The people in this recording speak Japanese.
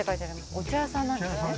お茶屋さんなんですね。